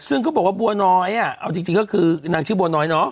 ซึ่งเขาบอกว่าบัวน้อยเอาจริงก็คือนางชื่อบัวน้อยเนาะ